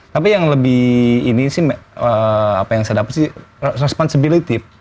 tapi yang lebih ini sih apa yang saya dapat sih responsibility